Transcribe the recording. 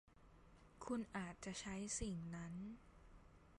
คุณอาจจะใช้สิ่งนั้น